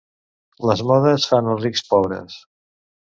Les modes fan als rics pobres.